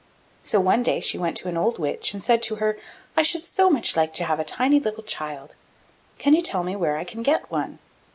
So one day she went to an old Witch and said to her: 'I should so much like to have a tiny, little child; can you tell me where I can get one?